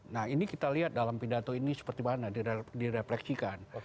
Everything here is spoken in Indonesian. nah ini kita lihat dalam pidato ini seperti mana direfleksikan